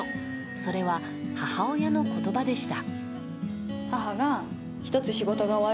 それは、母親の言葉でした。